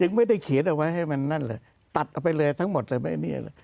ยังไม่ได้เขียนเอาไว้ให้มันนั่นเลยตัดเอาไปเลยทั้งหมดเลย